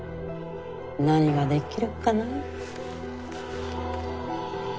何ができるかなぁ？